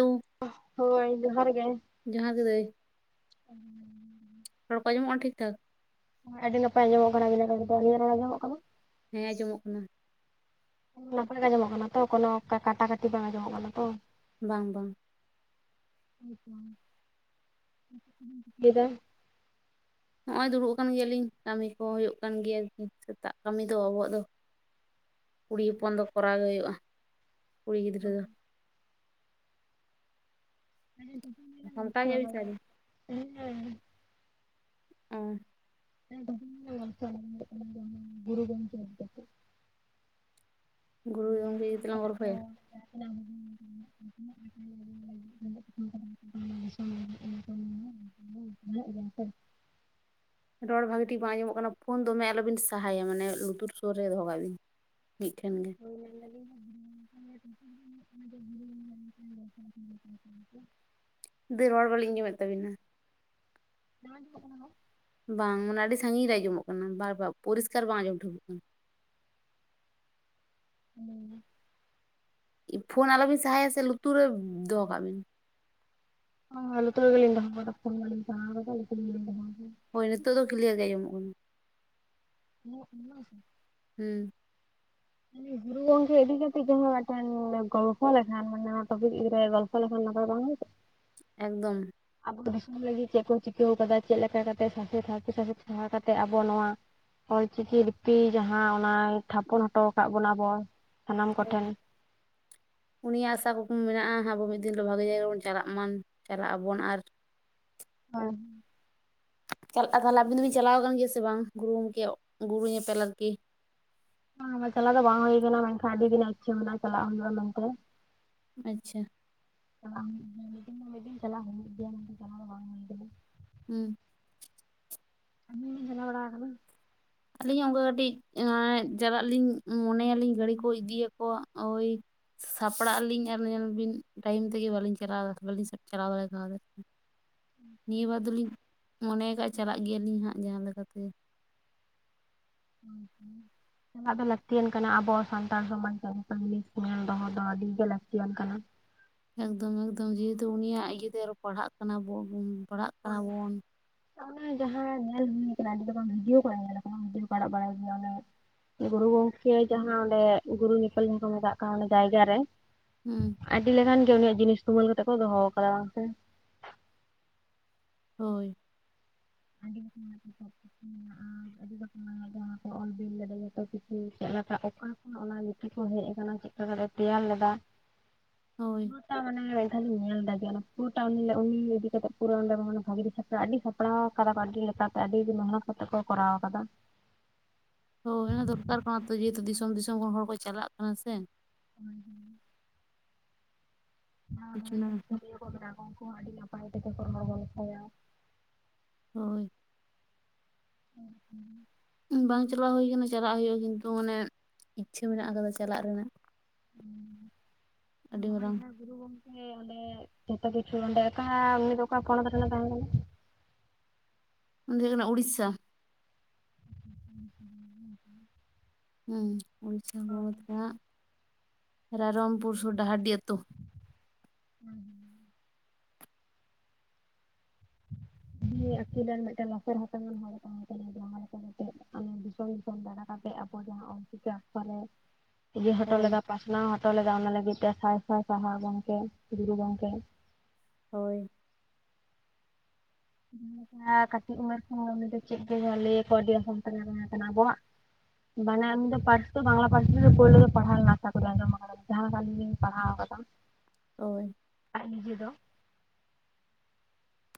ᱳ, ᱦᱳᱭ ᱡᱚᱦᱟᱨ ᱜᱮ ᱡᱚᱸᱦᱟᱨ ᱜᱮ ᱫᱟᱹᱭ᱾ ᱨᱚᱲ ᱠᱚ ᱟᱸᱡᱚᱢᱚᱜ ᱠᱟᱱᱟ ᱴᱷᱤᱠᱼᱴᱷᱟᱠ? ᱟᱹᱰᱤ ᱱᱟᱯᱟᱭ ᱟᱸᱡᱚᱢᱚᱜ ᱠᱟᱱᱟ ᱟᱵᱤᱱᱟᱜ ᱨᱚᱲ ᱫᱚ, ᱟᱹᱞᱤᱧᱟᱜ ᱨᱚᱲ ᱟᱸᱡᱚᱢᱚᱜ ᱠᱟᱱᱟ? ᱦᱮᱸ ᱟᱸᱡᱚᱢᱚᱜ ᱠᱟᱱᱟ᱾ ᱱᱟᱯᱟᱭ ᱜᱮ ᱟᱸᱡᱚᱢᱚᱜ ᱠᱟᱱᱟ ᱛᱚ, ᱠᱳᱱᱳ ᱠᱟᱴᱟᱼᱠᱟᱴᱤ ᱵᱟᱝ ᱟᱸᱡᱚᱢᱚᱜ ᱠᱟᱱᱟ ᱛᱚ? ᱵᱟᱝ ᱵᱟᱝ᱾ [inaudible] ᱦᱚᱸᱜᱼᱚᱭ ᱫᱩᱲᱩᱵ ᱠᱟᱱ ᱜᱮᱭᱟᱞᱤᱧ, ᱠᱟᱹᱢᱤ ᱠᱚ ᱦᱩᱭᱩᱜ ᱠᱟᱱ ᱜᱮᱭᱟ, ᱥᱮᱛᱟᱜ ᱠᱟᱹᱢᱤ ᱫᱚ ᱟᱵᱚᱣᱟᱜ ᱫᱚ᱾ ᱠᱩᱲᱤ ᱦᱚᱯᱚᱱ ᱫᱚ ᱠᱚᱨᱟᱣ ᱜᱮ ᱦᱩᱭᱩᱜᱼᱟ, ᱠᱩᱲᱤ ᱜᱤᱫᱽᱨᱟᱹ ᱫᱚ᱾ [inaudible] ᱥᱟᱢᱴᱟᱣ ᱜᱮᱭᱟ ᱵᱤᱱ ᱥᱮ ᱟᱹᱞᱤᱧ ᱦᱮᱸ᱾ ᱚᱸᱭ᱾ [inaudible] ᱜᱩᱨᱩ ᱜᱚᱝᱠᱮ ᱤᱫᱤ ᱠᱟᱛᱮ ᱜᱚᱢᱠᱮ ᱞᱟᱝ ᱛᱟᱠᱚ ᱜᱚᱞᱯᱷᱚᱭᱟ? [inaudible] ᱨᱚᱲ ᱵᱷᱟᱹᱜᱮ ᱴᱷᱤᱠ ᱵᱟᱝ ᱟᱸᱡᱚᱢᱚᱜ ᱠᱟᱱᱟ, ᱯᱷᱳᱱ ᱫᱚᱢᱮ ᱟᱞᱚᱵᱤᱱ ᱥᱟᱦᱟᱭᱟ ᱢᱟᱱᱮ ᱞᱩᱛᱩᱨ ᱥᱩᱨ ᱨᱮᱜᱮ ᱫᱚᱦᱚ ᱠᱟᱜ ᱵᱤᱱ᱾ ᱢᱤᱫᱴᱷᱮᱱ ᱜᱮ᱾ ᱱᱚᱣᱟ ᱫᱤ ᱨᱚᱲ ᱵᱟᱹᱞᱤᱧ ᱟᱸᱡᱚᱢᱮᱫ ᱛᱟᱵᱤᱱᱟ᱾ [inaudible] ᱵᱟᱝ ᱢᱟᱱᱮ ᱟᱹᱰᱤ ᱥᱟᱺᱜᱤᱧ ᱨᱮ ᱟᱸᱡᱚᱢᱚᱜ ᱠᱟᱱᱟ, ᱵᱟᱨ ᱵᱟᱨ ᱯᱚᱨᱤᱥᱠᱟᱨ ᱵᱟᱝ ᱟᱸᱡᱚᱢ ᱴᱷᱟᱹᱠᱟᱹ ᱠᱟᱱᱟ᱾ ᱦᱮᱸ᱾ ᱯᱷᱳᱱ ᱟᱞᱚᱵᱤᱱ ᱥᱟᱦᱟᱭᱟ ᱥᱮ ᱞᱩᱛᱩᱨ ᱨᱮ ᱫᱚᱦᱚ ᱠᱟᱜ ᱵᱤᱱ᱾ [inaudible] ᱞᱩᱛᱩᱨ ᱨᱮᱜᱮ ᱞᱤᱧ ᱫᱚᱦᱚ ‌ᱠᱟᱫᱟ ᱯᱷᱳᱱ ᱵᱟᱞᱤᱧ ᱥᱟᱦᱟ ᱠᱟᱫᱟ ᱞᱩᱛᱩᱨ ᱨᱮᱜᱮᱞᱤᱧ ᱫᱚᱦᱚ ᱠᱟᱫᱟ᱾ ᱦᱳᱭ ᱱᱤᱛᱳᱜ ᱫᱚ ᱠᱞᱤᱭᱟᱨ ᱜᱮ ᱟᱸᱡᱚᱢᱚᱜ ᱠᱟᱱᱟ᱾ [inaudible] ᱦᱩᱸ᱾ ᱢᱮᱱ ᱫᱚᱹᱧ ᱜᱩᱨᱩ ᱜᱚᱝᱠᱮ ᱤᱫᱤ ᱠᱟᱛᱮᱫ ᱡᱟᱦᱟᱸ ᱢᱮᱫᱴᱮᱱ ᱜᱚᱞᱯᱚ ᱞᱮᱱᱠᱷᱟᱱ ᱢᱟᱱᱮ ᱱᱚᱣᱟ ᱴᱚᱯᱤᱠ ᱨᱮ ᱜᱚᱞᱯ ᱛᱟᱦᱞᱮ ᱠᱷᱟᱱ ᱱᱟᱯᱟᱭ ᱵᱟᱝ ᱦᱩᱭᱩᱜ ᱠᱚᱜ? ᱮᱠᱫᱚᱢ᱾ ᱟᱵᱚ ᱫᱚ ᱫᱤᱥᱚᱢ ᱞᱟᱹᱜᱤᱫ ᱪᱮᱫ ᱠᱚ ᱪᱤᱠᱟᱹᱣ ᱟᱠᱟᱫᱟ ᱪᱮᱫ ᱞᱮᱠᱟᱛᱮ ᱥᱟᱥᱮᱫ ᱦᱟᱨᱠᱮᱛ ᱥᱟᱥᱮᱫ ᱥᱟᱦᱟ ᱠᱟᱛᱮᱫ ᱟᱵᱚ ᱱᱚᱣᱟ ᱚᱞᱪᱤᱠᱤ ᱞᱤᱯᱤ ᱡᱟᱦᱟᱸ ᱚᱱᱟᱭ ᱛᱷᱟᱯᱚᱱ ᱦᱚᱴᱚ ᱟᱠᱟᱫ ᱵᱚᱱᱟ ᱟᱵᱚ ᱥᱟᱱᱟᱢ ᱠᱚᱴᱷᱮᱱ᱾ [inaudible] ᱩᱱᱤᱭᱟᱜ ᱟᱥᱟ ᱠᱩᱠᱢᱩ ᱢᱮᱱᱟᱜ-ᱟ, ᱟᱵᱚ ᱢᱤᱫ ᱫᱤᱱ ᱦᱤᱞᱳᱜ ᱵᱷᱟᱜᱮ ᱡᱟᱭᱜᱟ ᱨᱮᱵᱚᱱ ᱪᱟᱞᱟᱜ ᱢᱟ ᱪᱟᱞᱟᱜ ᱟᱵᱚᱱ᱾ ᱟᱨ ᱦᱳᱭ᱾ ᱪᱟᱞᱟᱜ-ᱟ ᱛᱟᱦᱞᱮ ᱟᱹᱵᱤᱱ ᱵᱤᱱ ᱪᱟᱞᱟᱣ ᱟᱠᱟᱱ ᱜᱮᱭᱟ ᱥᱮ ᱵᱟᱝ ᱜᱩᱨᱩ ᱜᱚᱝᱠᱮᱭᱟᱜ ᱜᱩᱨᱩ ᱧᱮᱯᱮᱞ ᱟᱨᱠᱤ? ᱪᱟᱞᱟᱣ ᱫᱚ ᱵᱟᱝ ᱦᱩᱭ ᱠᱟᱱᱟ, ᱢᱮᱱᱠᱷᱟᱱ ᱟᱹᱰᱤ ᱫᱤᱱᱟ ᱤᱪᱪᱷᱟᱹ ᱢᱮᱱᱟᱜ-ᱟ ᱪᱟᱞᱟᱜ ᱦᱩᱭᱩᱜ-ᱟ ᱢᱮᱱᱛᱮ᱾ ᱟᱪᱪᱷᱟ᱾ ᱪᱟᱞᱟᱜ ᱦᱩᱭᱩᱜ ᱜᱮᱭᱟ ᱢᱤᱫ ᱫᱤᱱ, ᱢᱤᱫ ᱫᱤᱱ ᱪᱟᱞᱟᱜ ᱦᱩᱭᱩᱜ ᱜᱮᱭᱟ, ᱪᱟᱞᱟᱣ ᱫᱚ ᱵᱟᱝ ᱦᱩᱭ ᱠᱟᱱᱟ ᱦᱩᱸ᱾ ᱟᱹᱵᱤᱱ ᱵᱤᱱ ᱪᱟᱞᱟᱣ ᱵᱟᱲᱟᱣ ᱠᱟᱱᱟ? ᱟᱹᱞᱤᱧ ᱦᱚᱸ ᱚᱱᱠᱟ ᱠᱟᱹᱴᱤᱡ ᱮᱸᱜ ᱪᱟᱞᱟᱜ ᱞᱤᱧ ᱢᱚᱱᱮᱭᱟᱟᱞᱤᱧ ᱜᱟᱹᱲᱤ ᱠᱚ ᱤᱫᱤᱭᱟᱠᱚ ᱳᱭ ᱥᱟᱯᱲᱟᱜ ᱟᱹᱞᱤᱧ ᱟᱨ ᱧᱮᱞ ᱵᱤᱱ ᱴᱟᱭᱤᱢ ᱛᱮᱜᱮ ᱵᱟᱹᱞᱤᱧ ᱪᱟᱞᱟᱣ, ᱵᱟᱹᱞᱤᱧ ᱥᱟᱯ ᱪᱟᱞᱟᱣ ᱫᱟᱲᱮ ᱠᱟᱣᱫᱟ᱾ ᱱᱤᱭᱟᱹ ᱵᱟᱨ ᱫᱚᱞᱤᱧ ᱢᱚᱱᱮ ᱟᱠᱟᱫ ᱪᱟᱞᱟᱜ ᱜᱮᱭᱟᱞᱤᱧ ᱦᱟᱸᱜ ᱡᱟᱦᱟᱸ ᱞᱮᱠᱟᱛᱮ ᱦᱩᱸ ᱦᱩᱸ᱾ ᱟᱫᱚ ᱞᱟᱹᱠᱛᱤᱭᱟᱱ ᱠᱟᱱᱟ ᱟᱵᱚ ᱥᱟᱱᱛᱟᱲ ᱥᱚᱢᱟᱡᱽ ᱵᱟᱨᱮᱛᱮ ᱧᱮᱞ ᱫᱚᱦᱚ ᱫᱚ ᱟᱹᱰᱤ ᱜᱮ ᱞᱟᱹᱠᱛᱤᱭᱟᱱ ᱠᱟᱱᱟ᱾ ᱮᱠᱫᱚᱢ ᱮᱠᱫᱚᱢ ᱡᱮᱦᱮᱛᱩ ᱩᱱᱤᱭᱟᱜ ᱤᱭᱟᱹᱛᱮ ᱟᱨᱚ ᱯᱟᱲᱦᱟᱜ ᱠᱟᱱᱟ ᱵᱚᱱ, ᱦᱩᱸ ᱯᱟᱲᱦᱟᱜ ᱠᱟᱱᱟ ᱦᱳᱭ᱾ ᱵᱚᱱ ᱚᱱᱮ ᱡᱟᱦᱟᱸ ᱧᱮᱞ ᱦᱩᱭ ᱠᱟᱱᱟ ᱟᱹᱰᱤ ᱨᱚᱠᱚᱢ ᱵᱷᱤᱰᱤᱭᱳ ᱠᱚ ᱮᱢ ᱟᱠᱟᱫᱟ ᱠᱚ ᱴ, ᱚᱱᱟ ᱵᱷᱤᱰᱤᱭᱳ ᱠᱚ ᱟᱲᱟᱜ ᱵᱟᱲᱟᱭᱫᱟ᱾ ᱚᱱᱮ ᱜᱩᱨᱩ ᱜᱚᱝᱠᱮ ᱡᱟᱦᱟᱸ ᱚᱸᱰᱮ ᱜᱩᱨᱩ ᱧᱮᱯᱮᱞ ᱡᱟᱦᱟᱸ ᱠᱚ ᱢᱮᱛᱟᱜ ᱠᱟᱱ ᱚᱸᱰᱮ ᱡᱟᱭᱜᱟ ᱨᱮ᱾ ᱦᱩᱸ᱾ ᱟᱹᱰᱤ ᱞᱮᱠᱟᱱ ᱜᱮ ᱩᱱᱤᱭᱟᱜ ᱡᱤᱱᱤᱥ ᱛᱩᱢᱟᱹᱞ ᱠᱟᱛᱮᱜ ᱠᱚ ᱫᱚᱦᱚ ᱟᱠᱟᱫᱟ ᱜᱚᱝᱠᱮ᱾ ᱦᱩᱸ᱾ [unintelligible] ᱢᱮᱱᱟᱜ-ᱟ, ᱟᱹᱰᱤ ᱨᱚᱠᱚᱢ [unintelligible] ᱚᱱᱟ ᱠᱚ ᱚᱞ ᱵᱤᱞ ᱫᱟᱲᱮ ᱠᱟᱫᱟ ᱡᱚᱛᱚ ᱠᱤᱪᱷᱩ ᱪᱮᱫ ᱞᱮᱠᱟ ᱚᱠᱟ ᱠᱷᱚᱱᱟᱜ ᱚᱱᱟ ᱞᱤᱯᱤ ᱠᱚ ᱦᱮᱡ ᱟᱠᱟᱱᱟ? ᱚᱱᱟ ᱪᱮᱫ ᱠᱟᱛᱮ ᱛᱮᱭᱟᱨ ᱞᱮᱫᱟ? ᱦᱳᱭ ᱚᱱᱠᱟ ᱢᱟᱱᱮ ᱢᱤᱫ ᱫᱷᱟᱣ ᱞᱤᱧ ᱧᱮᱞ ᱞᱮᱫᱟ ᱡᱮ ᱯᱩᱨᱟᱹᱴᱟ ᱩᱱᱤ, ᱩᱱᱤ ᱤᱫᱤ ᱠᱟᱛᱮᱜ ᱯᱩᱨᱟᱹ ᱵᱷᱟᱜᱤ ᱥᱟᱯᱲᱟᱣ ᱟᱹᱰᱤ ᱥᱟᱯᱲᱟᱣ ᱠᱟᱫᱟ ᱠᱚ ᱟᱹᱰᱤ ᱞᱮᱠᱟᱛᱮ ᱟᱹᱰᱤ ᱢᱮᱦᱱᱚᱛ ᱠᱟᱛᱮ ᱠᱚ ᱠᱚᱨᱟᱣ ᱠᱟᱫᱟ᱾ ᱦᱳᱭ, ᱫᱚᱨᱠᱟᱨ ᱠᱟᱱᱟ ᱛᱚ ᱡᱮᱦᱮᱛᱩ ᱫᱤᱥᱚᱢ ᱫᱤᱥᱚᱢ ᱠᱷᱚᱱ ᱦᱚᱲ ᱠᱚ ᱪᱟᱞᱟᱜ ᱠᱟᱱᱟ ᱥᱮ᱾ ᱦᱳᱭ ᱦᱳᱭ᱾ [unintelligible] ᱜᱟᱹᱭ ᱠᱚ ᱢᱮᱱᱟᱜ ᱠᱚᱣᱟ ᱩᱱᱠᱩ ᱦᱚᱸ ᱟᱹᱰᱤ ᱱᱟᱯᱟᱭ ᱛᱮᱜᱮ ᱠᱚ ᱛᱚᱞ ᱫᱚᱦᱚ ᱠᱟᱠᱚ ᱠᱮᱭᱟ᱾ ᱦᱩᱸ᱾ ᱦᱩᱸ [unintelligible] ᱵᱟᱝ ᱪᱟᱞᱟᱣ ᱦᱩᱭ ᱠᱟᱱᱟ ᱪᱟᱞᱟᱜ ᱦᱩᱭᱩᱜ-ᱟ ᱠᱤᱱᱛᱩ ᱢᱟᱱᱮ ᱤᱪᱪᱷᱟᱹ ᱢᱮᱱᱟᱜ ᱟᱠᱟᱫᱟ ᱪᱟᱞᱟᱜ ᱨᱮᱱᱟᱜ᱾ ᱦᱩᱸ, ᱟᱹᱰᱤ ᱱᱚᱜ-ᱚᱭ ᱢᱟᱨᱟᱝ ᱡᱟᱦᱟᱸ᱾ ᱜᱩᱨᱩ ᱜᱚᱝᱠᱮ ᱚᱸᱰᱮ ᱡᱚᱛᱚ ᱠᱤᱪᱷᱩ ᱚᱸᱰᱮ ᱠᱟᱜ-ᱟ ᱟᱨ ᱩᱱᱤ ᱫᱚ ᱚᱠᱟ ᱯᱚᱱᱚᱛ ᱨᱮᱱᱮ ᱛᱟᱦᱮᱸ ᱠᱟᱱᱟ? ᱩᱱᱤ ᱫᱚ ᱠᱟᱱᱟ ᱩᱲᱤᱥᱥᱟ᱾ ᱦᱩᱸ ᱦᱩᱸ ᱦᱩᱸ ᱦᱩᱸ ᱦᱩᱸ᱾ ᱦᱩᱸ, ᱩᱲᱤᱥᱥᱟ ᱯᱚᱱᱚᱛ ᱨᱮᱱᱟᱜ ᱨᱟᱭᱨᱚᱢᱯᱩᱨ ᱥᱩᱨ ᱰᱟᱦᱟᱨᱰᱤ ᱟᱹᱛᱩ᱾ ᱦᱩᱸ ᱦᱩᱸ᱾ ᱤᱭᱟᱹ ᱟᱹᱠᱤᱞᱟᱱ ᱢᱤᱫᱴᱮᱱ ᱞᱟᱥᱮᱨ ᱦᱟᱛᱟᱝᱟᱱ ᱦᱚᱲ ᱛᱟᱦᱮᱸ ᱠᱟᱱᱟ ᱡᱟᱦᱟᱸ ᱞᱮᱠᱟ ᱱᱤᱛᱳᱜ ᱟᱢ ᱫᱤᱥᱚᱢ ᱫᱤᱥᱚᱢ ᱫᱟᱬᱟ ᱠᱟᱛᱮᱜ ᱟᱵᱚ ᱡᱟᱦᱟᱸ ᱚᱞ ᱪᱤᱠᱤ ᱚᱠᱠᱷᱚᱨᱮ [inaudible] ᱤᱫᱤ ᱦᱳᱢᱳ ᱞᱮ ᱜᱟ ᱯᱟᱥᱱᱟᱣ ᱦᱚᱴᱚ ᱞᱮᱜᱟ ᱥᱟᱭ ᱥᱟᱭ ᱥᱟᱦᱟᱨ ᱜᱚᱝᱠᱮ ᱜᱮᱨᱩ ᱜᱚᱝᱠᱮ ᱾ ᱦᱳᱭ, ᱡᱟᱦᱟᱸᱠᱟ [inaudible] ᱠᱟᱹᱴᱤᱡ ᱩᱢᱮᱨ ᱠᱷᱚᱱ ᱩᱱᱤ ᱫᱚ ᱪᱮᱫ ᱜᱮ ᱡᱟᱦᱟᱸ ᱞᱟᱹᱭ ᱟᱠᱚᱣᱟ ᱟᱹᱰᱤ ᱟ ᱥᱟᱱᱛᱮ ᱛᱟᱦᱮᱸ ᱠᱟᱱᱟ ᱟᱵᱚᱣᱟᱜ ᱾ ᱵᱟᱱᱮ ᱩᱱᱤ ᱫᱚ ᱯᱟᱹᱨᱥᱤ ᱫᱚ ᱵᱟᱝᱞᱟ ᱯᱟᱹᱨᱥᱤ ᱛᱮᱜᱮ ᱯᱩᱭᱞᱩ ᱫᱚ ᱯᱟᱲᱦᱟᱣ ᱠᱟᱱᱟ ᱟᱥᱟ ᱠᱩᱨᱤ ᱟᱸᱡᱟᱢ ᱟᱠᱟᱱᱟ ᱾ ᱡᱟᱦᱟᱸ ᱞᱮᱠᱟ ᱟᱹᱞᱤᱧ ᱞᱤᱧ ᱯᱟᱲᱦᱟᱣ ᱠᱟᱫᱟ ᱾ ᱦᱳᱭ, ᱟᱡ ᱱᱤᱡᱮ ᱫᱚ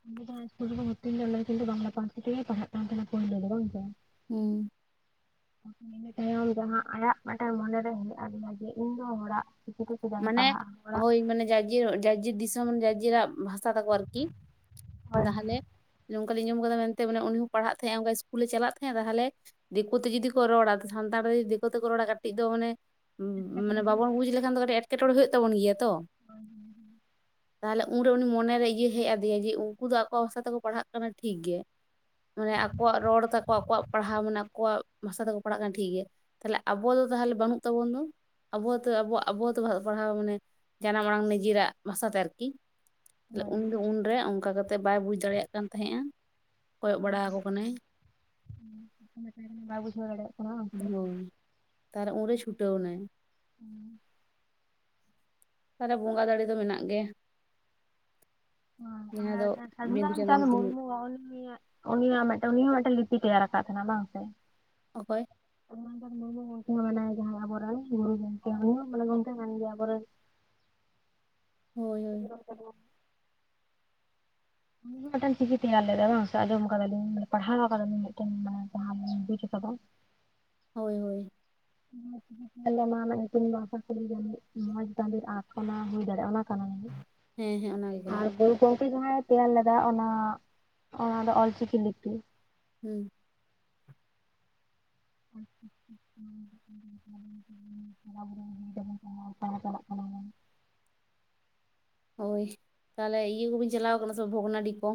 ᱩᱱᱤ ᱡᱟᱦᱟ ᱤᱥᱠᱩᱞ ᱨᱮᱠᱚ ᱵᱷᱤᱛᱨᱤ ᱞᱤᱫᱤᱭᱟ ᱚᱱᱟ ᱤᱥᱠᱩᱞ ᱨᱮᱫᱟ ᱵᱟᱝᱞᱟ ᱯᱟᱹᱨᱥᱤ ᱛᱮᱜᱮ ᱯᱩᱭᱞᱩ ᱯᱟᱲᱦᱟᱜ ᱠᱟᱱ ᱛᱟᱦᱮᱱᱟ ᱵᱟᱝ ᱥᱮ? ᱦᱩᱸ, ᱤᱱᱟ ᱛᱟᱭᱚᱢ ᱡᱟᱦᱟᱸ ᱟᱜ ᱢᱤᱫᱴᱮᱱ ᱢᱚᱱᱮᱨᱮ ᱦᱮᱡ ᱟᱫᱮᱭᱟ ᱤᱧ ᱫᱚ ᱦᱚᱲᱟᱜ ᱪᱤᱠᱤ ᱛᱮ ᱪᱮᱫᱟᱜ ᱤᱧ ᱢᱟᱱᱮ ᱯᱟᱲᱦᱟᱜᱼᱟ ᱦᱚᱲᱟᱜ ᱦᱳᱭ ᱢᱟᱱᱮ ᱡᱟᱨ ᱡᱮᱨ ᱡᱟᱨ ᱡᱮᱨ ᱫᱤᱥᱚᱢ ᱡᱟᱨ ᱡᱟᱜ ᱵᱷᱟᱥᱟ ᱛᱟᱠᱚ ᱟᱨᱠᱤ ᱾ ᱦᱳᱭ ᱛᱟᱦᱞᱮ ᱚᱱᱠᱟᱞᱧ ᱟᱡᱚᱢ ᱠᱟᱫᱟ ᱢᱮᱱᱛᱮ ᱢᱟᱱᱮ ᱩᱱᱤ ᱦᱚᱸ ᱯᱟᱲᱦᱟᱜ ᱛᱟᱦᱮᱸᱜ ᱚᱱᱠᱟ ᱤᱥᱠᱩᱞᱮ ᱪᱟᱞᱟᱜ ᱛᱟᱦᱮᱸᱜ-ᱟ ᱛᱟᱦᱞᱮ, ᱫᱤᱠᱩ ᱛᱮ ᱡᱩᱫᱤ ᱠᱚ ᱨᱚᱲᱟ ᱥᱟᱱᱛᱟᱲ ᱫᱤᱠᱩ ᱛᱮᱠᱚ ᱨᱚᱲᱟ ᱠᱟᱹᱴᱤᱡ ᱫᱚ ᱢᱟᱱᱮ ᱢᱟᱱᱮ ᱵᱟᱵᱚᱱ ᱵᱩᱡ ᱞᱮᱠᱷᱟᱱ ᱫᱚ ᱠᱟᱹᱴᱤᱡ ᱮᱸᱴᱠᱮᱴᱚᱬᱮ ᱦᱩᱭᱩᱜ ᱛᱟᱵᱚᱱ ᱜᱮᱭᱟ ᱛᱚ ᱾ ᱛᱟᱦᱚᱞᱮ ᱩᱱᱨᱮ ᱩᱱᱤ ᱢᱚᱱᱮᱨᱮ ᱤᱭᱟᱹ ᱦᱮᱡ ᱟᱫᱮᱭᱟ, ᱡᱮ ᱩᱱᱠᱩ ᱫᱚ ᱟᱠᱚᱣᱟᱜ ᱵᱷᱟᱥᱟ ᱛᱮᱠᱚ ᱯᱟᱲᱦᱟᱜ ᱠᱟᱱᱟ ᱴᱷᱤᱠ ᱜᱮ ᱾ ᱢᱟᱱᱮ ᱟᱠᱚᱣᱟᱜ ᱨᱚᱲ ᱛᱟᱠᱚ ᱟᱠᱚᱣᱟᱜ ᱯᱟᱲᱦᱟᱣ ᱢᱟᱱᱮ ᱟᱠᱚᱣᱟᱜ ᱵᱷᱟᱥᱟ ᱛᱮᱠᱚ ᱯᱟᱲᱦᱟᱜ ᱠᱟᱱᱟ ᱴᱷᱤᱠ ᱜᱮᱭᱟ ᱛᱟᱦᱚᱞᱮ ᱟᱵᱚ ᱫᱚ ᱛᱟᱦᱚᱞᱮ ᱵᱟᱹᱱᱩᱜ ᱛᱟᱵᱚᱱ ᱫᱚ ᱾ ᱟᱵᱚ ᱦᱚᱛᱚ ᱟᱵᱚᱣᱟᱜ ᱟᱵᱚᱛᱚ ᱚᱞᱚᱜ ᱯᱟᱲᱦᱟᱣ ᱢᱟᱱᱮ ᱡᱟᱱᱟᱢ ᱟᱲᱟᱝ ᱱᱤᱡᱮᱨᱟᱜ ᱵᱷᱟᱥᱟ ᱛᱮ ᱟᱨᱠᱤ ᱛᱟᱦᱮ ᱦᱳᱭ ᱦᱳᱭ ᱩᱱ ᱫᱚ ᱩᱱᱨᱮ ᱚᱱᱠᱟ ᱠᱟ ᱠᱟᱛᱮᱫ ᱵᱟᱭ ᱵᱩᱡᱽ ᱫᱟᱲᱮᱭᱟᱜ ᱠᱟᱱ ᱛᱟᱦᱮᱸᱫ ᱟ ᱠᱚᱭᱚᱜ ᱵᱟᱲᱟ ᱟᱠᱚ ᱠᱟᱱᱟᱭ ᱾ ᱦᱩᱸ ᱪᱮᱫ ᱠᱚ ᱢᱮᱛᱟᱭ ᱠᱟᱱᱟ ᱵᱟᱭ ᱵᱩᱡᱷᱟᱣ ᱫᱟᱲᱮᱭᱟᱜ ᱠᱟᱱᱟ, ᱚᱱᱛᱮ ᱦᱳᱭ ᱛᱟᱦᱟᱞᱮ ᱩᱱᱨᱮ ᱪᱷᱩᱴᱟᱹᱣ ᱮᱱᱟᱭ ᱾ ᱦᱩᱸ, ᱛᱟᱦᱚᱞᱮ ᱵᱚᱸᱜᱟ ᱫᱟᱲᱮ ᱫᱚ ᱢᱮᱱᱟᱜ ᱜᱮᱭᱟ ᱾ ᱡᱟᱦᱟᱸ ᱫᱚ ᱟᱨ ᱵᱤᱸᱫᱩ ᱪᱟᱸᱫᱟᱱ ᱥᱟᱫᱷᱩᱨᱟᱢᱪᱟᱸᱫᱽ ᱠᱤᱱ ᱢᱩᱨᱢᱩ ᱚᱞᱢ ᱩᱱᱤᱭᱟᱜ ᱢᱤᱫᱴᱮᱱ ᱩᱱᱤ ᱦᱚᱸ ᱢᱤᱫᱴᱮᱱ ᱞᱤᱯᱤ ᱛᱮᱭᱟᱨ ᱟᱠᱟᱫ ᱛᱟᱦᱮᱱᱟ ᱵᱟᱝ ᱥᱮ? ᱚᱠᱚᱭ? [inaudible] ᱟ ᱛ ᱢ ᱢᱟᱱᱮ ᱡᱟᱦᱟᱸᱵᱚᱨ ᱜᱩᱨᱩ ᱡ ᱢᱚᱞᱮ ᱠᱚᱛᱮ ᱢᱟᱱᱮ ᱟᱵᱚᱨᱮᱱ ᱦᱳᱭ ᱦᱳᱭ᱾ ᱢᱤᱫᱴᱟᱝ ᱪᱤᱠᱤ ᱛᱮᱭᱟᱨ ᱞᱮᱫᱟ ᱵᱟᱝ ᱥᱮ ᱟᱸᱡᱚᱢ ᱠᱟᱫᱟᱞᱤᱧ, ᱢᱟᱱᱮ ᱯᱟᱲᱦᱟᱣ ᱠᱟᱫᱟᱞᱤᱧ, ᱢᱤᱫᱴᱮᱱ ᱢᱟᱱᱮ ᱡᱟᱦᱟᱸ ᱞᱤᱧ ᱵᱩᱡ ᱟᱠᱟᱫᱟ ᱾ ᱦᱳᱭ ᱦᱳᱭ᱾ [inaudible] ᱛᱤᱱᱥᱟ ᱡᱤᱡ ᱢᱚᱸᱡᱽ ᱛᱟ ᱚᱱᱟ ᱦᱩᱭ ᱫᱟᱲᱮᱭᱟᱜᱼᱟ ᱚᱱᱟ ᱾ ᱠᱟᱱᱟ ᱡᱟᱱᱤᱡ ᱦᱮᱸ ᱦᱮᱸ ᱚᱱᱟᱜᱮ ᱠᱟᱱᱟ [inaudible] ᱾ ᱜᱚᱝᱠᱮ ᱡᱟᱦᱟᱸᱭ ᱛᱮᱭᱟᱨ ᱞᱮᱫᱟ ᱚᱱᱟ ᱫᱚ ᱚᱞᱪᱤᱠᱤ ᱞᱤᱯᱤ ᱾ ᱦᱩᱸ, [inaudible] ᱦᱳᱭ, ᱛᱟᱦᱚᱞᱮ ᱤᱭᱟᱹ ᱠᱚᱵᱮᱱ ᱪᱟᱞᱟᱣ ᱠᱟᱱᱟ ᱥᱮ ᱵᱷᱚᱜᱽᱱᱟᱰᱤ ᱠᱚ?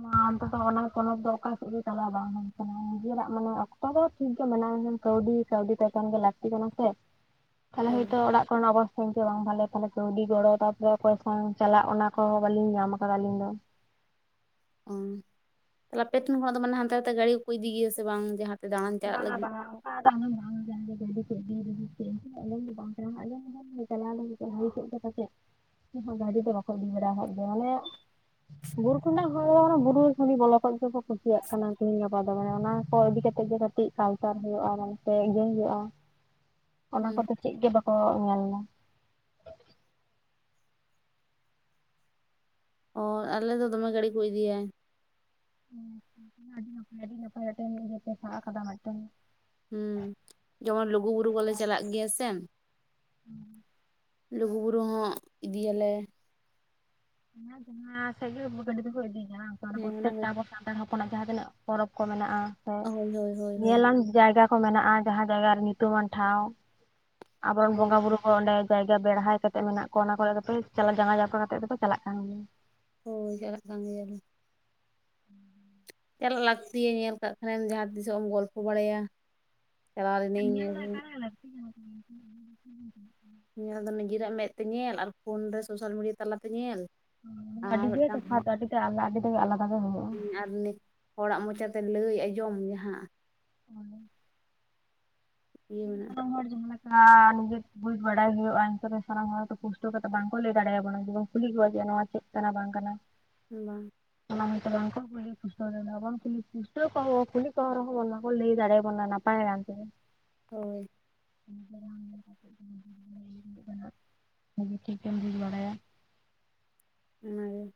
ᱵᱚᱱ ᱚᱱᱛᱮ ᱫᱚ ᱚᱱᱟ ᱯᱚᱱᱚᱛ ᱫᱚ ᱚᱠᱟ ᱥᱮᱫ ᱜᱮ ᱪᱟᱞᱟᱣ ᱵᱟᱝ ᱦᱩᱭ ᱟᱠᱟᱱᱟ᱾ ᱱᱤᱡᱮᱨᱟᱜ ᱢᱟᱱᱮ ᱚᱠᱛᱚ ᱫᱚ ᱴᱷᱤᱠ ᱜᱮ ᱢᱮᱱᱟᱜ-ᱟ, ᱮᱱᱠᱷᱟᱱ ᱠᱟᱹᱣᱰᱤ ᱠᱟᱹᱣᱰᱤ ᱮᱠᱟᱞ ᱜᱮ ᱞᱟᱹᱠᱛᱤ ᱠᱟᱱᱟ ᱥᱮ ᱾ [inaudible] ᱛᱟᱦᱚᱞᱮ ᱦᱚᱭᱛᱳ ᱚᱲᱟᱜ ᱠᱚᱨᱮᱱᱟᱜ ᱚᱵᱚᱥ ᱪᱮᱫ ᱜᱮ ᱵᱟᱝ ᱵᱷᱟᱞᱮᱭᱟ ᱛᱟᱦᱚᱞᱮ ᱠᱟᱹᱣᱰᱤ ᱜᱚᱲᱚ ᱛᱟᱯᱚᱨᱮ ᱚᱠᱚᱭ ᱥᱟᱶᱚᱝ ᱪᱟᱞᱟᱜ ᱚᱱᱟ ᱠᱚᱦᱚᱸ ᱵᱟᱞᱤᱧ ᱧᱟᱢ ᱠᱟᱫᱟ ᱟᱹᱞᱤᱧ ᱫᱚ ᱾ ᱚᱻ ᱛᱟᱦᱚᱞᱮ ᱟᱯᱮ ᱴᱷᱮᱱ ᱠᱷᱚᱱᱟᱜ ᱫᱚ ᱢᱟᱱᱮ ᱦᱟᱱᱛᱮ ᱱᱟᱛᱮ ᱜᱟᱹᱲᱤ ᱠᱚᱠᱚ ᱤᱫᱤ ᱜᱮᱭᱟ ᱥᱮ ᱵᱟᱝ? ᱡᱟᱦᱟᱸ ᱛᱮ ᱫᱟᱬᱟᱱ ᱪᱟᱞᱟᱜ ᱵᱟᱝᱼᱟ ᱞᱟᱹᱜᱤᱫ ᱵᱟᱝᱼᱟ ᱚᱝᱠᱟ ᱟᱫᱚ ᱟᱢᱮᱢ [unintelligible] ᱾ ᱪᱟᱞᱟᱣ ᱞᱟᱹᱜᱤᱫ ᱦᱩᱭ ᱠᱚᱜ ᱜᱮ ᱯᱟᱪᱮᱫ ᱜᱟᱹᱰᱤ ᱫᱚ ᱵᱟᱠᱚ ᱤᱫᱤ ᱵᱟᱲᱟ ᱟᱠᱟᱫ ᱜᱮᱭᱟ᱾ ᱢᱟᱱᱮ ᱵᱩᱨᱩ ᱴᱩᱸᱰᱟᱜ ᱦᱚᱲ ᱫᱚ ᱢᱟᱱᱮ ᱵᱩᱨᱩ ᱠᱷᱚᱱ ᱜᱤ ᱵᱚᱞᱚ ᱠᱚᱜ ᱜᱮᱠᱚ ᱠᱩᱥᱤᱭᱟᱜ ᱠᱟᱱᱟ ᱛᱮᱦᱤᱧ ᱜᱟᱯᱟ ᱫᱚ ᱢᱟᱱᱮ ᱚᱱᱟ ᱠᱚ ᱤᱫᱤ ᱠᱟᱛᱮᱜ ᱜᱮ ᱠᱟᱹ ᱴᱤᱡ ᱠᱟᱞᱪᱟᱨ ᱦᱩᱭᱩᱜᱼᱟ ᱢᱟᱱᱛᱮ ᱤᱭᱟᱹᱭ ᱦᱳᱭᱳᱜᱼᱟ ᱚᱱᱟ ᱦᱩᱸ ᱠᱚᱫᱚ ᱪᱮᱜ ᱜᱮ ᱵᱟᱠᱚ ᱧᱮᱞᱫᱟ ᱾ ᱚᱻ ᱟᱞᱮ ᱫᱚ ᱫᱚᱢᱮ ᱜᱟᱹᱲᱤ ᱠᱚ ᱤᱫᱤᱭᱟᱭᱟ ᱾ ᱦᱮᱸ ᱟᱹᱰᱤ ᱱᱟᱯᱟᱭ ᱟᱹᱰᱤ ᱱᱟᱯᱟᱭ, ᱢᱤᱫᱴᱮᱱ ᱤᱭᱟᱹ ᱯᱮ ᱥᱟᱵ ᱠᱟᱫᱟ ᱢᱤᱫᱴᱮᱱ ᱾ ᱦᱩᱸ ᱡᱮᱢᱚᱱ ᱞᱩᱜᱩ ᱵᱩᱨᱩ ᱠᱚᱞᱮ ᱰᱟᱦᱟᱨ ᱪᱟᱞᱟᱜ ᱜᱮᱭᱟ ᱥᱮ ᱾ ᱞᱩᱜᱩᱵᱩᱨᱩ ᱦᱚᱸ ᱤᱫᱤᱭᱟᱞᱮ ᱾ ᱦᱮᱸ ᱡᱟᱸᱦᱟ ᱥᱮᱜ ᱜᱮ ᱜᱟᱹᱰᱤ ᱫᱚᱠᱚ ᱤᱥᱤᱭ ᱜᱮᱭᱟ ᱦᱟᱝ ᱛᱟᱨ ᱦᱮᱸ ᱯᱨᱳᱛᱛᱮᱠᱴᱟ ᱚᱱᱟᱜᱮ ᱟᱵᱚ, ᱥᱟᱱᱛᱟᱲ ᱦᱚᱯᱚᱱᱟᱜ ᱡᱟᱦᱟᱸ ᱛᱤᱱᱟᱹᱜ ᱯᱚᱨᱚᱵᱽ ᱠᱚ ᱢᱮᱱᱟᱜᱼᱟ ᱥᱮ ᱦᱳᱭ ᱦᱳᱭ ᱦᱳᱭ ᱦᱳᱭ ᱧᱮᱞᱟᱝ ᱡᱟᱭᱜᱟ ᱾ ᱠᱚ ᱢᱮᱱᱟᱜᱼᱟ, ᱡᱟᱦᱟᱸ ᱡᱟᱭᱜᱟ ᱨᱮ ᱧᱩᱛᱩᱢᱟᱱ ᱴᱷᱟᱶ ᱟᱵᱚᱨᱮᱱ ᱵᱚᱸᱜᱟ ᱵᱩᱨᱩ, ᱚᱸᱰᱮ ᱡᱟᱭᱜᱟ ᱵᱮᱲᱦᱟᱭ ᱠᱟᱛᱮᱜ ᱢᱮᱱᱟᱜ ᱠᱚᱣᱟ ᱚᱱᱟ ᱠᱚᱨᱮ ᱫᱚᱯᱮ ᱪᱟᱞᱟ ᱡᱟᱸᱜᱟ ᱡᱟᱯᱠᱟ ᱠᱟᱛᱮᱜ ᱫᱚᱯᱮ ᱪᱟᱞᱟᱜ ᱠᱟᱱ ᱜᱮᱭᱟ ᱾ ᱦᱳᱭ ᱪᱟᱞᱟᱜ ᱠᱟᱱ ᱜᱮᱭᱟᱞᱮ ᱾ ᱪᱟᱞᱟᱜ ᱞᱟᱹᱠᱛᱤᱭᱟ, ᱧᱮᱞ ᱠᱟᱜ ᱠᱷᱟᱱᱮᱢ ᱡᱟᱦᱟᱸ ᱛᱤᱥᱚᱜ ᱮᱢ ᱜᱚᱞᱯᱷᱚ ᱵᱟᱲᱟᱭᱟ, ᱪᱟᱞᱟᱣ ᱞᱤᱱᱟᱹᱧ ᱧᱮᱞ ᱾ ᱫᱚ ᱮᱠᱟᱞ ᱜᱮ ᱞᱟᱹᱠᱛᱤ ᱠᱟᱱᱟ ᱧᱮᱞ ᱫᱚ ᱱᱤᱡᱮᱨᱟᱜ ᱢᱮᱫ ᱛᱮ ᱧᱮᱞ, ᱟᱨ ᱯᱷᱳᱱ ᱨᱮ ᱥᱳᱥᱟᱞ ᱢᱤᱰᱤᱭᱟ ᱛᱟᱞᱟᱛᱮ ᱧᱮᱞ ᱟᱹᱰᱤ ᱟᱨ ᱜᱮ ᱢᱤᱫᱴᱟᱝ ᱛᱚᱯᱷᱟᱫ ᱟᱹᱰᱤ ᱜᱮ ᱟᱞᱟ ᱟᱹᱰᱤ ᱜᱮ ᱟᱞᱟᱫᱟ ᱜᱮ ᱦᱩᱭᱩᱜᱼᱟ ᱾ ᱱᱤ ᱦᱚᱲᱟᱜ ᱢᱚᱪᱟᱛᱮ ᱞᱟᱹᱭ ᱟᱸᱡᱚᱢ ᱡᱟᱦᱟᱸ ᱦᱳᱭ, ᱤᱭᱟᱹ ᱢᱮᱱᱟᱜᱼᱟ, ᱩᱱᱟᱹᱜ ᱦᱚᱲ ᱡᱟᱦᱟ ᱞᱮᱠᱟ ᱱᱤᱡᱮ ᱵᱩᱡ ᱵᱟᱲᱟᱭ ᱦᱳᱭᱳᱜᱼᱟ ᱱᱤᱛᱚᱜ ᱫᱚ ᱥᱟᱱᱟᱢ ᱦᱚᱲ ᱫᱚ ᱯᱩᱥᱴᱟᱹᱣ ᱠᱟᱛᱮᱜ ᱵᱟᱝᱠᱚ ᱞᱮᱭ ᱫᱟᱲᱮᱭᱟᱵᱚᱱᱟ ᱡᱮᱵᱚᱱ ᱠᱩᱞᱤ ᱠᱚᱣᱟ ᱡᱮ ᱱᱚᱣᱟ ᱪᱮᱜ ᱠᱟᱱᱟ ᱵᱟᱝ ᱠᱟᱱᱟ ᱾ ᱵᱟᱝ, ᱚᱱᱟ ᱦᱳᱭᱛᱚ ᱠᱟᱝᱠᱚ ᱠᱩᱞᱤ ᱞᱩᱥᱴᱟᱣ [unintelligible] ᱯᱩᱥᱴᱟᱹᱣ ᱠᱚᱦᱚ ᱠᱩᱞᱤ ᱠᱚ ᱦᱚᱸ ᱨᱮᱦᱚᱸ ᱵᱚᱱ ᱵᱟᱠᱚ ᱞᱮᱭ ᱫᱟᱲᱮᱭᱟᱵᱚᱱᱟ, ᱱᱟᱯ ᱯᱟᱭᱟ ᱮᱱᱛᱮᱫ, ᱦᱳᱭ, [unintelligible] ᱵᱷᱟᱜᱮ ᱴᱷᱤᱠᱮᱢ ᱵᱩᱡ ᱵᱟᱲᱟᱭᱟ ᱾ ᱚᱱᱟᱜᱮ,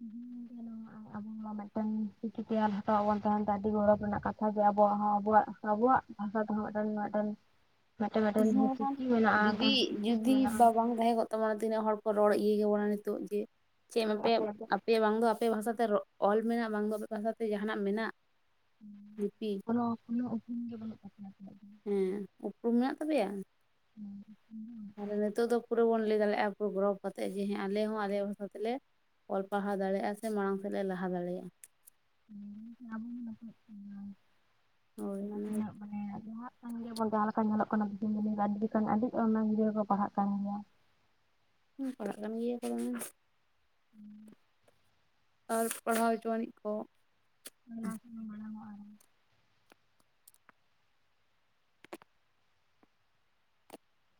ᱦᱮᱸ ᱟᱵᱚ ᱦᱚᱸ ᱢᱟ ᱢᱮᱜᱴᱮᱱ ᱪᱤᱠᱤᱛᱮᱭ ᱚᱞ ᱦᱟᱴᱚᱣᱟᱣ ᱵᱚᱱ ᱛᱟᱦᱮᱱ ᱛᱮ ᱟᱹᱰᱤ ᱜᱚᱨᱚᱵᱽ ᱨᱮᱱᱟᱜ ᱠᱟᱛᱷᱟ ᱡᱮ ᱟᱵᱚᱣᱟᱜ ᱦᱚᱸ ᱟᱵᱚᱣᱟᱜ ᱾ ᱟᱵᱚᱣᱟᱜ ᱵᱷᱟᱥᱟ ᱛᱮᱦᱚᱸ ᱢᱮᱜᱴᱮᱱ ᱢᱮᱜᱴᱮᱱ ᱦᱚᱸ ᱡᱩᱫᱤ ᱢᱤᱫᱴᱟᱝ ᱪᱤᱠᱤ ᱡᱩᱫᱤ ᱢᱮᱱᱟᱜᱼᱟ ᱵᱟ ᱵᱟᱝ ᱛᱟᱦᱮᱸ ᱠᱚᱜ ᱛᱟᱵᱚᱱᱟ ᱛᱤᱱᱟᱹᱜ ᱦᱚᱲ ᱠᱚ ᱨᱚᱲ ᱤᱭᱟᱹ ᱠᱮᱵᱚᱱᱟ ᱱᱤᱛᱚᱜ ᱡᱮ ᱪᱮᱜ [unintelligible] ᱟᱯᱮᱭᱟᱜ ᱵᱟᱝ ᱫᱚ ᱟᱯᱮ ᱵᱷᱟᱥᱟᱛᱮ ᱨᱚᱲ - ᱚᱞ ᱢᱮᱱᱟᱜ ᱵᱟᱝ ᱫᱚ ᱟᱞᱮᱭᱟᱜ ᱵᱷᱟᱥᱟᱛᱮ ᱡᱟᱦᱟᱱᱟᱜ ᱢᱮᱱᱟᱜ ᱾ ᱠᱚᱱᱳ ᱠᱳᱱᱳ ᱩᱯᱩᱨᱚᱢ ᱜᱮ ᱵᱟᱹᱱᱩᱜ ᱛᱟᱯᱮᱭᱟ ᱟᱯᱮᱭᱟᱜ ᱫᱚ ᱾ ᱦᱮᱸ ᱩᱯᱨᱩᱢ ᱢᱮᱱᱟᱜ ᱛᱟᱯᱮᱭᱟ? [unintelligible] ᱟ ᱱᱤᱛᱚᱜ ᱫᱚ ᱯᱩᱨᱟᱹ ᱵᱚᱱ ᱞᱮᱭ ᱫᱟᱲᱮᱜᱼᱟ ᱯᱩᱨᱟᱹ ᱜᱨᱚᱽ ᱠᱟᱛᱮᱜ ᱡᱮ ᱦᱮᱸ ᱟᱞᱮ ᱦᱚᱸ ᱟᱞᱮᱭᱟᱜ ᱵᱷᱟᱥᱟ ᱛᱮᱞᱮ ᱚᱞ ᱯᱟᱲᱦᱟᱣ ᱫᱟᱲᱮᱭᱟᱜᱼᱟ ᱥᱮ ᱢᱟᱲᱟᱝ ᱥᱮᱜ ᱞᱮ ᱞᱟᱦᱟ ᱫᱟᱲᱮᱭᱟᱜᱼᱟ᱾ ᱢᱮᱱ ᱫᱟᱹᱧ ᱥᱮ ᱟᱵᱚᱣᱟᱜ ᱜᱮ ᱱᱟᱯᱟᱭᱚᱜ ᱛᱟᱵᱚᱱᱟ ᱚᱱᱟ ᱾ ᱩᱱᱟᱹᱜ ᱢᱟᱱᱮ ᱞᱟᱦᱟᱜ ᱠᱟᱱ ᱜᱮᱭᱟ ᱵᱚᱱ ᱡᱟᱦᱟᱸ ᱞᱮᱠᱟ ᱧᱮᱞᱚᱜ ᱠᱟᱱᱟ ᱫᱤᱥᱚᱢ ᱫᱩᱱᱤᱭᱟᱹ ᱨᱮ ᱟᱹᱰᱤ ᱠᱷᱟᱱ ᱟᱹᱰᱤ ᱚᱱᱟ ᱜᱤᱫᱽᱨᱟᱹ ᱠᱚ ᱯᱟᱲᱦᱟᱜ ᱠᱟᱱ ᱜᱮᱭᱟ ᱾ ᱦᱩᱸ ᱯᱟᱲᱟᱜ ᱠᱟᱱ ᱜᱮᱭᱟ ᱠᱚ ᱫᱚᱢᱮ ᱾ [inaudible] ᱟᱨ ᱯᱟᱲᱦᱟᱣ ᱦᱚᱪᱚᱣᱱᱤᱡ ᱠᱚ ᱾ ᱚᱱᱟ ᱛᱮᱜᱮ ᱢᱟᱲᱟᱝ ᱚᱜᱼᱟ ᱟᱨᱦᱚᱸ,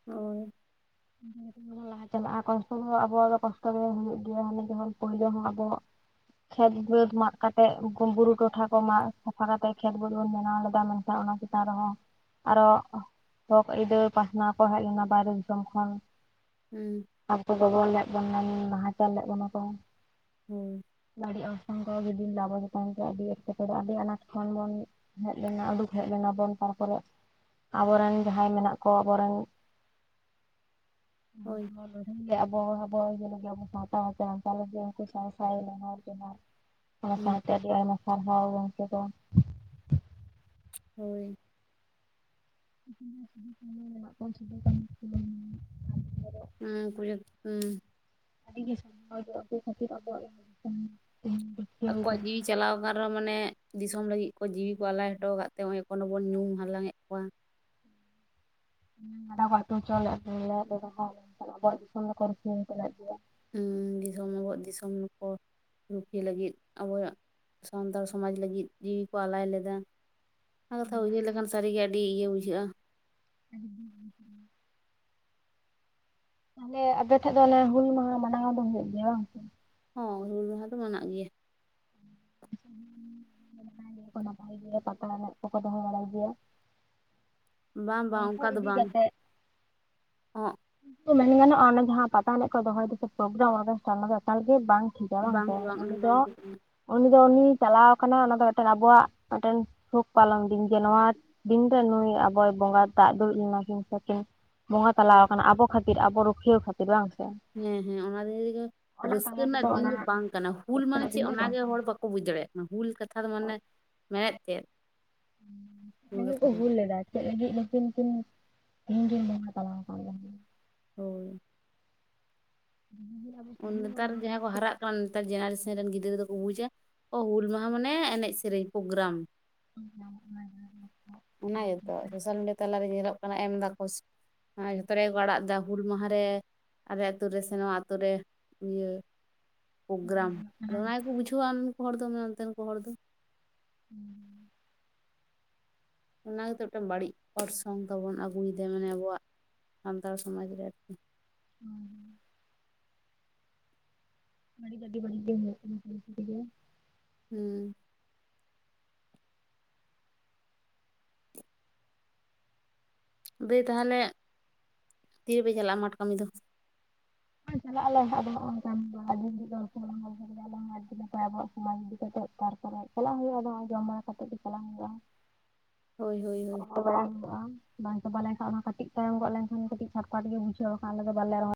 ᱦᱳᱭ᱾ [unintelligible] ᱞᱟᱦᱟ ᱪᱟᱞᱟᱜ-ᱟ ᱾ ᱠᱚᱥᱴᱚ ᱦᱚᱸ ᱟᱵᱚᱣᱟᱜ ᱫᱚ ᱠᱚᱥᱴᱚ ᱜᱮ ᱦᱳᱭᱳᱜ ᱜᱮᱭᱟ᱾ ᱦᱟᱱᱮ ᱡᱮᱢᱚᱱ ᱯᱳᱭᱞᱳ ᱦᱚᱸ ᱟᱵᱚ᱾ ᱠᱷᱮᱛ ᱵᱟᱹᱫᱽ ᱢᱟᱜ ᱠᱟᱛᱮᱜ, ᱵᱩᱨᱩ ᱴᱚᱴᱷᱟ ᱠᱚ ᱢᱟᱜ ᱥᱟᱯᱷᱟ ᱠᱟᱛᱮᱜ ᱠᱷᱮᱛ ᱵᱟᱹᱫᱽ ᱵᱚᱱ ᱵᱮᱱᱟᱣ ᱞᱮᱫᱟ᱾ ᱢᱮᱱᱠᱷᱟᱱ ᱚᱱᱟᱼᱼ ᱛᱟᱣ ᱨᱮᱦᱚᱸ᱾ ᱟᱨᱚ ᱦᱚᱠ ᱟᱹᱭᱫᱟᱹᱨ ᱯᱟᱥᱱᱟᱣ ᱠᱚ ᱦᱮᱡ ᱞᱮᱱᱟ ᱵᱟᱭᱨᱮ ᱫᱤᱥᱚᱢᱼᱼ ᱠᱷᱚᱱ ᱾ ᱦᱩᱸ᱾ ᱟᱵᱚ ᱠᱚ ᱜᱚᱵᱚᱞ ᱞᱮᱫ ᱵᱚᱱᱟ᱾ ᱱᱟᱦᱟᱪᱟᱨ ᱞᱮᱫ ᱵᱚᱱᱟ ᱠᱚ᱾ ᱦᱳᱭ᱾ ᱵᱟᱹᱲᱤᱡ ᱚᱨᱥᱚᱝ ᱠᱚ ᱜᱤᱰᱤ ᱞᱮᱫᱟ᱾ ᱟᱵᱚ [unintelligible] ᱟᱹᱰᱤ ᱮᱴᱠᱮᱴᱚᱬᱮ ᱟᱹᱰᱤ ᱟᱱᱟᱴ ᱠᱷᱚᱱ ᱵᱚᱱᱼᱼ ᱦᱮᱡ ᱞᱮᱱᱟ᱾ ᱩᱰᱩᱠ ᱦᱮᱡ ᱞᱮᱱᱟ ᱵᱚᱱ ᱛᱟᱨᱯᱚᱨᱮ, ᱟᱵᱚᱨᱮᱱ ᱡᱟᱦᱟᱸᱭ ᱢᱮᱱᱟᱜ ᱠᱚ ᱾ ᱟᱵᱚᱨᱮᱱᱼᱼ ᱦᱳᱭ᱾ [unintelligible] ᱞᱟᱹᱲᱦᱟᱹᱭ ᱜᱮ ᱟᱵᱚ ᱟᱵᱚᱣᱟᱜ ᱟᱹᱭᱫᱟᱹᱨ ᱞᱟᱹᱜᱤᱫ [unintelligible] ᱟᱵᱚ ᱥᱟᱶᱛᱟ ᱦᱚ ᱩᱱᱠᱩ ᱥᱟᱶ ᱥᱟᱶ ᱮ ᱱᱮᱦᱚᱨ ᱡᱚᱦᱟᱨ ᱾ [inaudible] ᱚᱱᱟ ᱥᱟᱶᱛᱮ ᱟᱹᱰᱤ ᱟᱭᱢᱟ ᱥᱟᱨᱦᱟᱣ ᱜᱚᱝᱠᱮ ᱠᱚ᱾ ᱦᱳᱭ᱾ [inaudible] ᱦᱩᱸ [inaudible] ᱟᱰᱤ ᱜᱮ [unintelligible] ᱥᱟᱨᱦᱟᱣ ᱮ ᱦᱳᱭᱳᱜ-ᱟ ᱟᱵᱚ ᱠᱷᱟᱹᱛᱤᱨ ᱟᱵᱚᱣᱟᱜ ᱨᱩᱠᱷᱤᱭᱟᱹᱣ ᱟᱠᱚᱣᱟᱜ ᱟᱠᱟᱱᱟ ᱡᱤᱣᱤᱼᱼ ᱪᱟᱞᱟᱣ ᱟᱠᱟᱱ ᱨᱮᱦᱚᱸ, ᱢᱟᱱᱮ ᱫᱤᱥᱚᱢ ᱞᱟᱹᱜᱤᱫ ᱠᱚ ᱡᱤᱣᱤ ᱠᱚ ᱟᱞᱟᱭ ᱦᱚᱴᱚ ᱟᱠᱟᱫ ᱛᱮ ᱾ ᱱᱚᱜ-ᱚᱭ ᱮᱠᱷᱚᱱ ᱦᱚᱵᱚᱱ ᱧᱩᱢ ᱦᱟᱞᱟᱝ ᱮᱫ ᱠᱚᱣᱟ᱾ ᱜᱟᱰᱟ ᱠᱚ ᱟᱹᱛᱩ ᱪᱚᱞᱮᱫ ᱨᱮᱦᱚᱸ᱾ [inaudible] ᱟᱵᱚᱣᱟᱜ ᱫᱤᱥᱚᱢ ᱫᱚᱠᱚ ᱨᱩᱠᱷᱤᱭᱟᱹ ᱦᱚᱴᱚᱞᱮᱫ ᱜᱮᱭᱟ᱾ ᱩᱸ, ᱫᱤᱥᱚᱢ ᱟᱵᱚᱣᱟᱜ ᱫᱤᱥᱚᱢ ᱠᱚ ᱨᱩᱠᱷᱤᱭᱟᱹ ᱞᱟᱹᱜᱤᱫ᱾ ᱟᱵᱚᱣᱟᱜᱼᱼ ᱥᱟᱱᱛᱟᱲ ᱥᱚᱢᱟᱡᱽ ᱞᱟᱹᱜᱤᱫ ᱡᱤᱣᱤ ᱠᱚ ᱟᱞᱟᱭ ᱞᱮᱫᱟ᱾ ᱚᱱᱟ ᱠᱟᱛᱷᱟ ᱩᱭᱦᱟᱹᱨ ᱞᱮᱠᱷᱟᱱ ᱥᱟᱹᱨᱤ ᱜᱮ ᱟᱹᱰᱤ ᱤᱭᱟᱹ ᱵᱩᱡᱷᱟᱹᱜ-ᱟ᱾ [inaudible] ᱛᱟᱦᱞᱮ ᱟᱯᱮ ᱴᱷᱮᱡ ᱫᱚ ᱚᱱᱮ, ᱦᱩᱞ ᱢᱟᱦᱟ ᱢᱟᱱᱟᱣ ᱫᱚ ᱦᱳᱭᱳᱜ ᱜᱮᱭᱟ ᱵᱟᱝ? ᱦᱚᱸ, ᱦᱩᱞ ᱢᱟᱦᱟ ᱫᱚ ᱢᱟᱱᱟᱜ ᱜᱮᱭᱟ᱾ ᱱᱟᱯᱟᱭ ᱜᱮᱭᱟ ᱠᱚ, ᱱᱟᱯᱟᱭ ᱜᱮ ᱯᱟᱛᱟ ᱮᱱᱮᱡᱽ ᱠᱚᱠᱚ ᱫᱚᱦᱚ ᱵᱟᱲᱟᱭ ᱜᱮᱭᱟ᱾ ᱵᱟᱝ, ᱵᱟᱝ, ᱚᱱᱠᱟ ᱩᱱᱠᱩ ᱫᱚ ᱤᱫᱤ ᱵᱟᱝ᱾ ᱠᱟᱛᱮᱜ ᱚᱸ ᱦᱚᱸᱜ᱾ ᱢᱮᱱ ᱜᱟᱱᱚᱜ-ᱟ᱾ ᱚᱱᱮ ᱡᱟᱦᱟᱸ ᱯᱟᱛᱟ ᱮᱱᱮᱡᱽ ᱠᱚ ᱫᱚᱦᱚᱭ ᱫᱚᱠᱚ ᱯᱨᱳᱜᱨᱟᱢ᱾ ᱟᱫᱚᱢ ᱴᱷᱮᱱ ᱚᱱᱟ ᱫᱚ ᱮᱠᱟᱞᱮ ᱵᱟᱝᱼᱼ ᱫᱟᱲᱟᱝ ᱵᱟᱝ ᱵᱟᱝ ᱠᱟᱱᱟᱭ ᱚᱱᱟ ᱾ᱩᱱᱤ ᱵᱟᱝ ᱫᱚᱼᱼ ᱴᱷᱤᱠ ᱠᱟᱱᱟ ᱩᱱᱤ ᱫᱚ ᱩᱱᱤ ᱪᱟᱞᱟᱣ ᱠᱟᱱᱟ᱾ ᱚᱱᱟ ᱫᱚ ᱢᱤᱫᱴᱮᱱ ᱟᱵᱚᱣᱟᱜ, ᱢᱤᱫᱴᱮᱱ ᱥᱩᱠ ᱯᱟᱞᱚᱱ ᱫᱤᱱ ᱜᱮ ᱱᱚᱣᱟᱼᱼ ᱫᱤᱱ ᱫᱚ ᱱᱩᱭ, ᱟᱵᱚᱭ ᱵᱚᱸᱜᱟ ᱫᱟᱜ ᱫᱩᱲᱩᱵ ᱞᱮᱱᱟ ᱠᱤᱱ ᱥᱮ [unintelligible] ᱠᱤᱱ ᱵᱚᱸᱜᱟ ᱛᱟᱞᱟ᱾ ᱠᱷᱟᱹᱛᱤᱨ᱾ ᱟᱵᱚ ᱨᱩᱠᱷᱤᱭᱟᱹ ᱠᱷᱟᱹᱛᱤᱨ ᱵᱟᱝ ᱥᱮ᱾ ᱦᱮᱸ, ᱦᱮᱸ, ᱚᱱᱟ ᱫᱤᱱ ᱨᱮᱜᱮᱼᱼ ᱚᱱᱟ ᱨᱟᱹᱥᱠᱟᱹ ᱛᱟᱞᱟ ᱨᱮᱱᱟᱜ ᱨᱮᱫᱚ ᱫᱤᱱ ᱚᱱᱟ ᱫᱚ ᱵᱟᱝ ᱠᱟᱱᱟ᱾ ᱦᱩᱞ ᱢᱟᱱᱮ ᱨᱟᱹᱥᱠᱟᱹᱱᱟᱜ ᱫᱤᱱ ᱪᱮᱫ ᱫᱚ ᱵᱟᱝ ᱚᱱᱟᱜᱮ ᱦᱚᱲ ᱵᱟᱠᱚ ᱵᱩᱡᱽ ᱫᱟᱲᱮᱭᱟᱜᱼᱼ ᱦᱩᱞ ᱠᱟᱛᱷᱟ ᱫᱚ ᱢᱟᱱᱮ ᱢᱮᱱᱮᱫ ᱪᱮᱫᱼᱼ [unintelligible] ᱦᱩᱞ ᱞᱮᱫᱟ᱾ ᱪᱮᱫ ᱞᱟᱹᱜᱤᱫ ᱱᱩᱠᱤᱱ ᱠᱤᱱ, ᱛᱤᱦᱤᱧ ᱠᱤᱧ ᱵᱚᱸᱜᱟ ᱛᱟᱞᱟ ᱟᱠᱟᱱ ᱛᱟᱦᱮᱸ᱾ ᱦᱳᱭ᱾ [inaudible] ᱩᱱ ᱵᱚᱱ ᱱᱮᱛᱟᱨ ᱧᱟᱢ ᱞᱮᱫ ᱡᱟᱦᱟᱸ ᱠᱚ ᱛᱮ ᱦᱟᱨᱟᱜᱼᱼ ᱱᱮᱛᱟᱨ ᱡᱮᱱᱟᱨᱮᱥᱮᱱ ᱨᱮᱱ ᱜᱤᱫᱽᱨᱟᱹ ᱫᱚ ᱠᱚ ᱵᱩᱡᱼᱟ᱾ ᱳ ᱦᱩᱞ ᱢᱟᱦᱟ ᱢᱟᱱᱮ ᱮᱱᱮᱡᱽ ᱥᱮᱨᱮᱧ ᱯᱳᱜᱨᱟᱢ᱾ [inaudible] ᱚᱱᱟ ᱜᱮᱛᱚ᱾ ᱥᱳᱥᱟᱞ ᱢᱤᱰᱤᱭᱟ ᱛᱟᱞᱟᱨᱮ ᱧᱮᱞᱚᱜ ᱠᱟᱱᱟ ᱮᱢ ᱫᱟᱠᱚ᱾ ᱟᱨ ᱡᱷᱚᱛᱚ ᱨᱮᱜᱮ ᱠᱚ ᱟᱲᱟᱜ ᱫᱟ᱾ ᱦᱩᱞ ᱢᱟᱦᱟ ᱨᱮᱼᱼ ᱟᱞᱮ ᱟᱹᱛᱩᱨᱮ, ᱥᱮ ᱱᱚᱣᱟ ᱟᱛᱳ ᱨᱮ ᱤᱭᱟᱹ ᱯᱳᱜᱨᱟᱢ, ᱟᱫᱚ ᱚᱱᱟ ᱜᱮᱠᱚ ᱵᱩᱡᱷᱟᱹᱣᱟ ᱱᱩᱠᱩ ᱦᱚᱲ ᱫᱚ ᱚᱱᱛᱮᱱ ᱠᱚ ᱦᱚᱲ ᱫᱚ ᱾ [unintelligible] ᱚᱱᱟ ᱜᱮᱛᱚ ᱢᱤᱫᱴᱮᱱ ᱵᱟᱹᱲᱤᱡ ᱚᱨᱥᱚᱝ ᱛᱟᱵᱚᱱ ᱟᱹᱜᱩᱭᱮᱫᱟᱭ, ᱢᱟᱱᱮ ᱟᱵᱚᱣᱟᱜ ᱥᱟᱱᱛᱟᱲ ᱥᱚᱢᱟᱡᱽ ᱨᱮ ᱟᱨᱠᱤ᱾ [unintelligible] ᱥᱟᱹᱨᱤ ᱜᱮ ᱟᱹᱰᱤ ᱵᱟᱹᱲᱤᱡ ᱜᱮ ᱦᱩᱭᱩ ᱠᱟᱱᱟ᱾ [unintelligible] ᱦᱩᱸ ᱾ ᱫᱟᱹᱭ ᱛᱟᱦᱚᱞᱮ, ᱛᱤᱨᱮᱯᱮ ᱪᱟᱞᱟᱜᱼᱟ ᱢᱟᱴ ᱠᱟᱹᱢᱤ ᱫᱚ ᱾ ᱪᱟᱞᱟᱜ ᱟᱞᱮ ᱟᱫᱚ [unintelligible] ᱞᱮᱠᱚ ᱟᱵᱚᱣᱟᱜ ᱥᱚᱢᱟᱡᱽ ᱤᱫᱤᱠᱟ ᱠᱟᱛᱮ ᱛᱟᱨᱯᱚᱨᱮ ᱪᱟᱞᱟᱜ ᱦᱩᱭᱩᱜᱼᱟ, ᱟᱫᱚ ᱡᱚᱢ ᱵᱟᱲᱟ ᱠᱟᱛᱮᱫ ᱜᱮ ᱪᱟᱞᱟᱜ ᱦᱩᱭᱩᱜᱼᱟ ᱾ ᱦᱳᱭ ᱦᱳᱭ ᱦᱳᱭ ᱾ ᱵᱟᱝ ᱪᱟᱵᱟ ᱞᱮᱱᱠᱷᱟᱱ ᱚᱱᱟ ᱠᱟᱹᱴᱤᱡ ᱛᱟᱭᱚᱢ ᱜᱚᱫ ᱞᱮᱱᱠᱷᱟᱱ ᱜᱮ, ᱠᱟᱹᱴᱤᱡ ᱪᱷᱟᱴᱯᱷᱟᱴ ᱜᱮ ᱵᱩᱡᱷᱟᱹᱣᱟᱱᱼᱟ ᱟᱞᱮ ᱫᱚ ᱵᱟᱞᱮ ᱨᱚᱦᱚᱭ